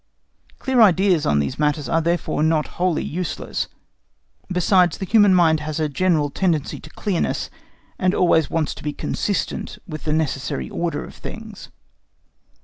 Clear ideas on these matters are therefore not wholly useless; besides, the human mind has a general tendency to clearness, and always wants to be consistent with the necessary order of things.